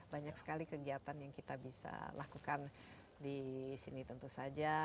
banyak sekali kegiatan yang kita bisa lakukan di sini tentu saja